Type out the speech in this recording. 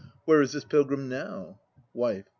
Where is this pilgrim now? WIFE.